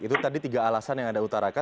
itu tadi tiga alasan yang anda utarakan